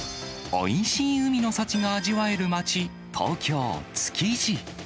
おいしい海の幸が味わえる街、東京・築地。